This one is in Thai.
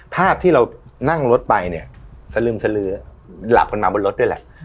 ภาพที่เรานั่งรถไปเนี่ยสลึมสลือหลับกันมาบนรถด้วยแหละ